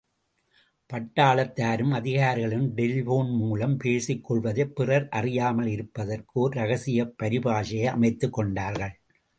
பட்டாளத்தாரும் அதிகாரிகளும் டெலிபோன்மூலம் பேசிக் கொள்வதைப் பிறர் அறியாமலிருப்பதற்கு ஓர் இரகசிய பரிபாஷையை அமைத்துக் கொண்டார்கள்.